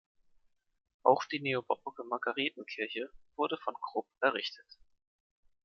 Auch die neobarocke Margaretenkirche wurde von Krupp errichtet.